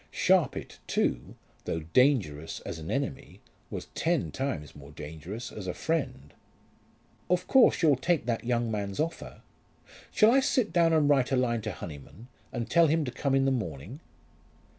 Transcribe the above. Sharpit too, though dangerous as an enemy, was ten times more dangerous as a friend! "Of course you'll take that young man's offer. Shall I sit down and write a line to Honyman, and tell him to come in the morning?"